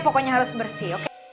pokoknya harus bersih oke